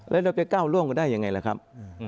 แล้วเราไปก้าวล่วงกันได้ยังไงล่ะครับ